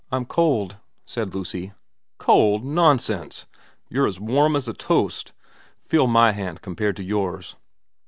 ' I'm cold,' said Lucy. xxv VERA 281 ' Cold ! Nonsense. You're as warm as a toast. Feel my hand compared to yours.'